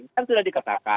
kan sudah diketahkan ya